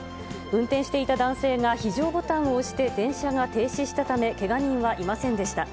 運転していた男性が非常ボタンを押して電車が停止したため、けが人はいませんでした。